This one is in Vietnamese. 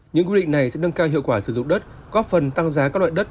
những quy định này sẽ nâng cao hiệu quả sử dụng đất góp phần tăng giá các loại đất